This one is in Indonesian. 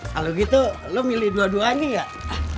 kalau gitu lu milih dua duanya gak